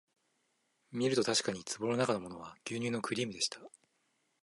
みるとたしかに壺のなかのものは牛乳のクリームでした